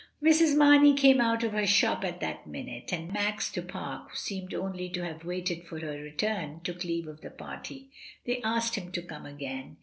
Mrs. Mamey came out of her shop at that minute, and Max du Pare, who seemed only to have waited for her return, took leave of the party. They asked him to come again.